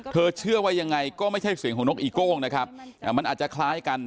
เชื่อว่ายังไงก็ไม่ใช่เสียงของนกอีโก้งนะครับมันอาจจะคล้ายกัน